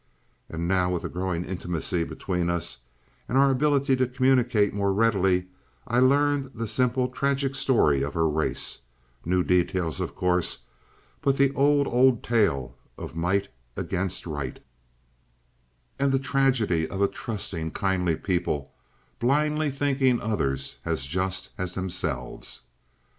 "And now, with the growing intimacy between us and our ability to communicate more readily, I learned the simple, tragic story of her race new details, of course, but the old, old tale of might against right, and the tragedy of a trusting, kindly people, blindly thinking others as just as themselves.